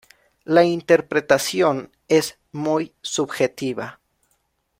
La interpretación es muy subjetiva.